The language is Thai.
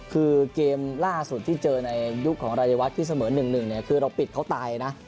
คือเกมล่าสุดที่เจอในยุคของรายวัฒน์ที่เสมอ๑๑เนี่ยคือเราปิดเขาตายนะ